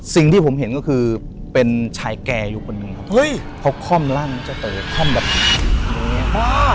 สิ่งที่ผมเห็นก็คือเป็นชายแก่อยู่คนหนึ่งครับเฮ้ยเขาค่อมร่างจะเต๋อค่อมแบบนี้